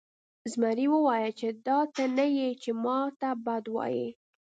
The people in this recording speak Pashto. زمري وویل چې دا ته نه یې چې ما ته بد وایې.